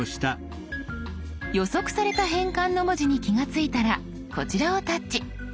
予測された変換の文字に気が付いたらこちらをタッチ。